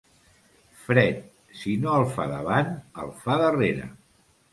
Fred, si no el fa davant, el fa darrere.